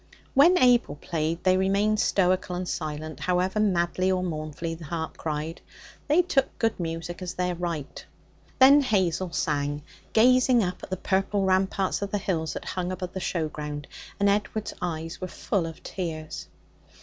When Abel played, they remained stoical and silent, however madly or mournfully the harp cried. They took good music as their right. Then Hazel sang, gazing up at the purple ramparts of the hills that hung above the show ground, and Edward's eyes were full of tears.